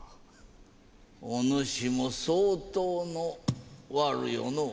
お主も相当の悪よのう。